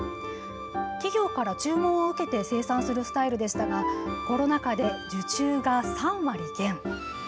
企業から注文を受けて生産するスタイルでしたがコロナ禍で受注が３割減。